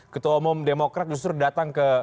ketua umum demokrat justru datang ke